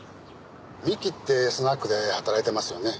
「みき」ってスナックで働いてますよね？